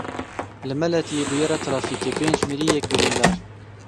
Li Meletiyê bûyera trafîkê pênc mirî, yek birîndar.